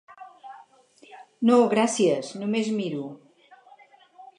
No, gràcies, només miro.